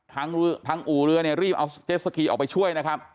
ทางอู่เรือรีบเอาเจสเกียร์ออกไปช่วยนะครับ